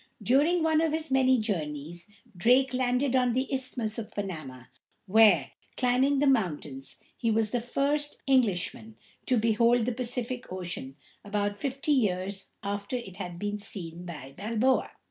During one of his many journeys, Drake landed on the Isthmus of Panama, where, climbing the mountains, he was the first Englishman to behold the Pacific Ocean, about fifty years after it had been seen by Balboa.